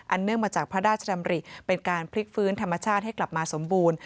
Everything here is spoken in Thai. เนื่องมาจากพระราชดำริเป็นการพลิกฟื้นธรรมชาติให้กลับมาสมบูรณ์